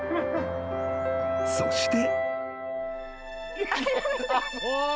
［そして］